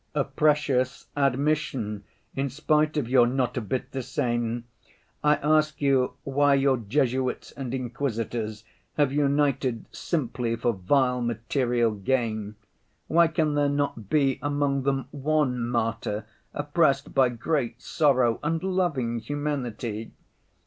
"A precious admission, in spite of your 'not a bit the same.' I ask you why your Jesuits and Inquisitors have united simply for vile material gain? Why can there not be among them one martyr oppressed by great sorrow and loving humanity?